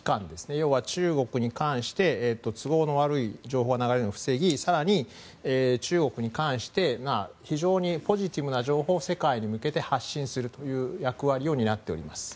要は中国に関して都合の悪い情報が流れるのを防ぎ更に、中国に関して非常にポジティブな情報を世界に向けて発信するという役割を担っております。